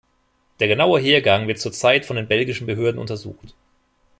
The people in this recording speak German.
Der genaue Hergang wird zur Zeit von den belgischen Behörden untersucht.